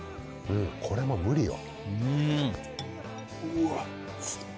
これもう無理よ。